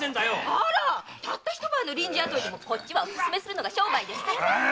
あらたった一晩の臨時雇いでもこっちはお勧めするのが商売ですからね！